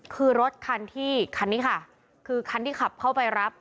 คือรถคันที่คันนี้ค่ะคือคันที่ขับเข้าไปรับ